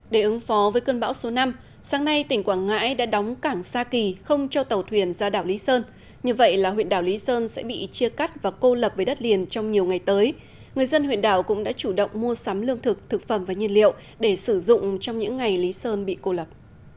để ứng phó với cơn bão số năm sáng nay tỉnh quảng ngãi đã đóng cảng sa kỳ không cho tàu thuyền ra đảo lý sơn như vậy là huyện đảo lý sơn sẽ bị chia cắt và cô lập với đất liền trong nhiều ngày tới người dân huyện đảo cũng đã chủ động mua sắm lương thực thực phẩm và nhiên liệu để sử dụng trong những ngày lý sơn bị cô lập